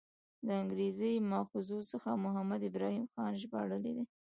له انګریزي ماخذونو څخه محمد ابراهیم خان ژباړلی دی.